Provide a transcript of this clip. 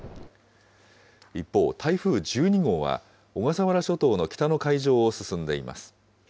一方、台風１２号は、小笠原諸島の北の海上を進んでいます。